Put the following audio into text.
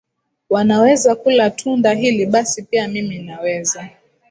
wanaweza kula tunda hili basi pia mimi naweza